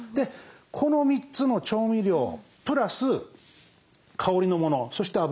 この３つの調味料プラス香りのものそして油